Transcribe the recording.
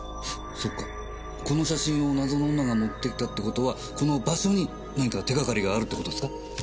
そっかこの写真を謎の女が持ってきたって事はこの場所に何か手がかりがあるって事ですか？